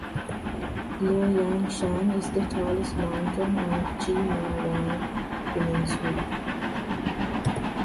Lo Yan Shan is the tallest mountain on Chi Ma Wan peninsula.